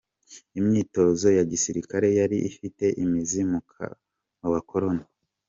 Imyitozo ya gisirikare yari ifite imizi mu bakoloni.